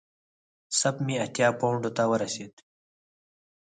سپ مې اتیا پونډو ته ورسېده.